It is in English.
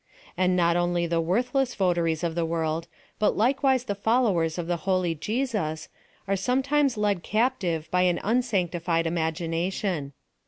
And not only the worthless votaries of the world, but likewise the followers of the holy Jesus, are sometimes 1 j:d captive by an unsanctified imagination.